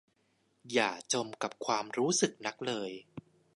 อย่าจมกับความรู้สึกนักเลย